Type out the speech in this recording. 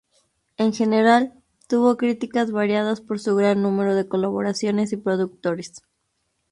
En general, tuvo críticas variadas por su gran número de colaboraciones y productores.